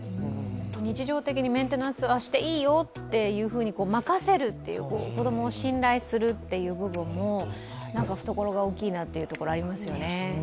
日常的にメンテナンスはしていいよというふうに任せるという、子供を信頼するという部分も懐が大きいなというところがありますよね。